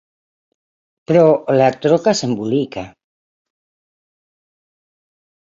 Però la troca s'embolica.